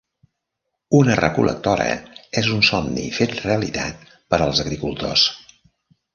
Una recol·lectora és un somni fet realitat per als agricultors.